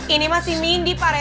ini masih mindy pak rete